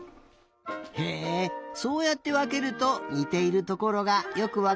へえそうやってわけるとにているところがよくわかるね。